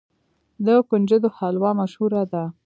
د کنجدو حلوه مشهوره ده.